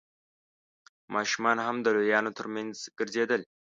ماشومان هم د لويانو تر مينځ ګرځېدل.